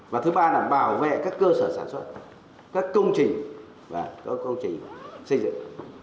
và thứ ba là bảo vệ các cơ sở sản xuất các công trình và các công trình xây dựng